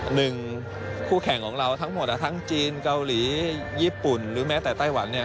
หนึ่งคู่แข่งของเราทั้งหมดทั้งจีนเกาหลีญี่ปุ่นหรือแม้แต่ไต้หวันเนี่ย